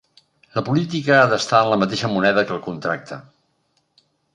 La política ha d'estar en la mateixa moneda que el contracte.